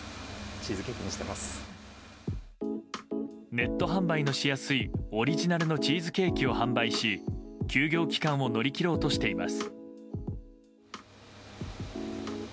ネット販売のしやすいオリジナルのチーズケーキを販売し、休業期間を乗り切ろうとしています。